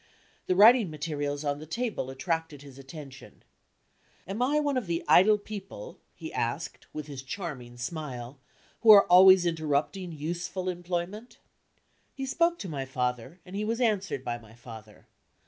The writing materials on the table attracted his attention. "Am I one of the idle people," he asked, with his charming smile, "who are always interrupting useful employment?" He spoke to my father, and he was answered by my father.